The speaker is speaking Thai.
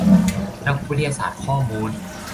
นักวิทยาศาสตร์ข้อมูล